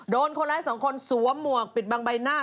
โดนคนร้ายสองคนสวมหมวกปิดบังใบหน้า